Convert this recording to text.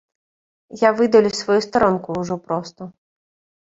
Я выдалю сваю старонку ужо проста.